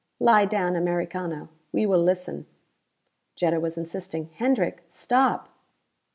"Lie down Americano: we will listen." Jetta was insisting. "Hendrick, stop!"